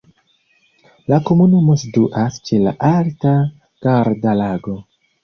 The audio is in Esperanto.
La komunumo situas ĉe la alta Garda-Lago.